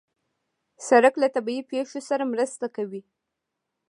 سړک له طبیعي پېښو سره مرسته کوي.